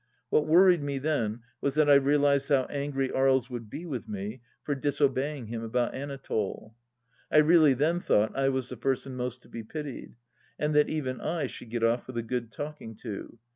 ... What worried me then was that I realized how angry Aries woidd be with me for disobeying him about Anatole. I really then thought I was the person most to be pitied, and that even I should get off with a good talking to.